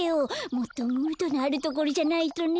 もっとムードのあるところじゃないとね。